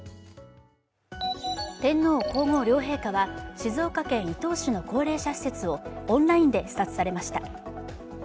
天皇・皇后両陛下は静岡県伊東市の高齢者施設をオンラインで視察されました。